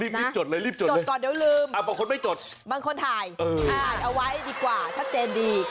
รีบจดเลยรีบจดจดก่อนเดี๋ยวลืมบางคนไม่จดบางคนถ่ายถ่ายเอาไว้ดีกว่าชัดเจนดี